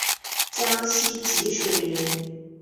江西吉水人。